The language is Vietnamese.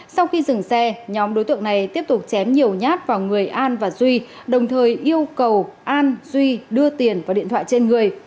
sau khi dừng xe nhóm đối tượng này tiếp tục chém nhiều nhát vào người an và duy đồng thời yêu cầu an duy đưa tiền vào điện thoại trên người